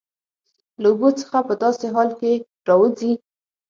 له اوبو څخه په داسې حال کې راوځي